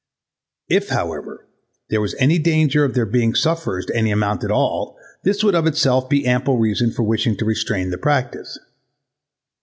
If however there was any danger of their being sufferers to any amount at all this would of itself be ample reason for wishing to restrain the practise.